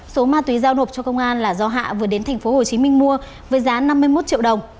số ma túy giao nộp cho công an là do hạ vừa đến tp hcm mua với giá năm mươi một triệu đồng